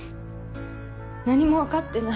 何もわかってない